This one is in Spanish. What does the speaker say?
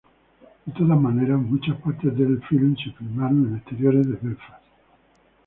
De todas maneras, muchas partes del film se filmaron en exteriores de Belfast